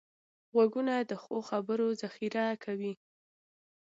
غوږونه د ښو خبرو ذخیره کوي